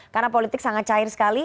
karena politik sangat cair sekali